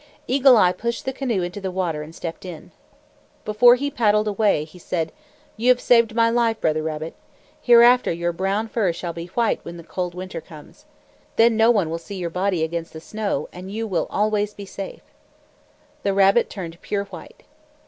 Eagle Eye pushed the canoe into the water and stepped in. Before he paddled away he said, "You have saved my life, Brother Rabbit. Hereafter your brown fur shall be white when the cold winter comes. Then no one will see your body against the snow, and you will always be safe." The rabbit turned pure white.